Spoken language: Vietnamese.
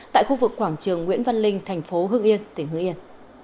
tại khu vực quảng trường nguyễn văn linh thành phố hương yên tỉnh hương yên